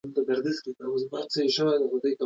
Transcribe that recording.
هغه د شاه عالم یو ظالم بادار دی.